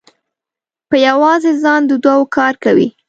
په یوازې ځان د دوو کار کوي.